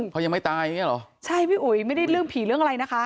เพราะยังไม่ตายอย่างเงี้เหรอใช่พี่อุ๋ยไม่ได้เรื่องผีเรื่องอะไรนะคะ